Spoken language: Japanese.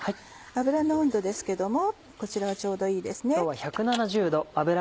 油の温度ですけどもこちらはちょうどいいですね。